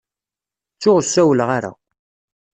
Ttuɣ ur sawleɣ ara.